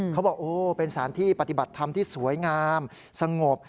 เขาบอกโอ้เป็นสารที่ปฏิบัติธรรมที่สวยงามสงบ